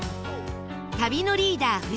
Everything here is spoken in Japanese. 旅のリーダー